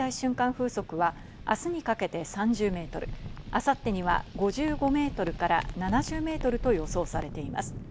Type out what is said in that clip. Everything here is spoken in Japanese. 風速は朝にかけて３０メートル、明後日には５５メートルから７０メートルと予想されています。